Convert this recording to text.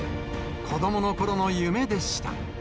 子どものころの夢でした。